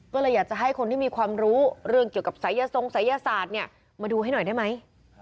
ก็เลยอยากจะให้คนที่มีความรู้เรื่องเกี่ยวกับศัยทรงศัยศาสตร์เนี่ยมาดูให้หน่อยได้ไหม